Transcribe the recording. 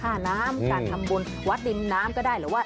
อย่างแรกเลยก็คือการทำบุญเกี่ยวกับเรื่องของพวกการเงินโชคลาภ